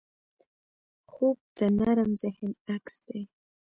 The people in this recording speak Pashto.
خوب د نرم ذهن عکس دی